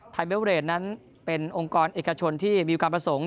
ไทยเบเวอเรดนั้นเป็นองค์กรเอกชนที่มีการประสงค์